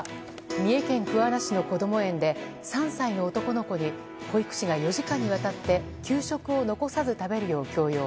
三重県桑名市のこども園で３歳の男の子に保育士が４時間にわたって給食を残さず食べるよう強要。